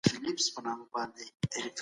په لابراتوار کې پټ توري په اسانۍ لیدل کیږي.